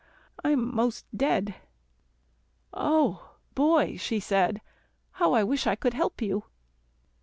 I'm most dead." "Oh! Boy," she said, "how I wish I could help you."